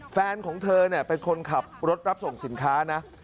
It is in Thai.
แฟนของเธอเป็นคนขับรถรับส่งสินค้านะ